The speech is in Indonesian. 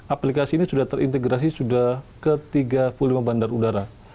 aplikasi ini sudah terintegrasi sudah ke tiga puluh lima bandar udara